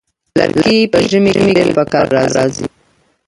لرګی په ژمي کې ډېر پکار راځي.